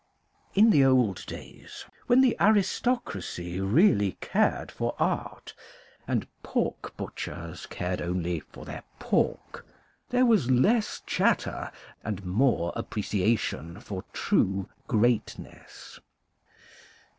In the old days when the aristocracy really cared 250 CRITICAL STUDIES for art, and pork butchers cared only for their pork, there was less chatter and more appreciation for true greatness.